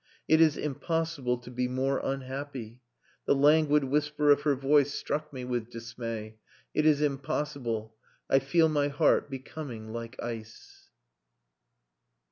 "It is impossible to be more unhappy...." The languid whisper of her voice struck me with dismay. "It is impossible.... I feel my heart becoming like ice."